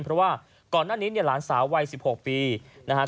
เพราะว่าก่อนหน้านี้เนี่ยหลานสาววัย๑๖ปีนะครับ